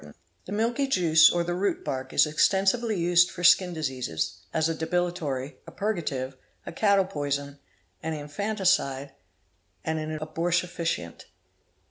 LA OV, ABORTION 665 The milky juice or the root bark is extensively used for skin diseases, as a depilatory, a purgative, a cattle poison, an infanticide, and an aborti facient.